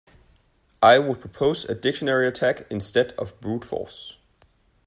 I'd propose a dictionary attack instead of brute force.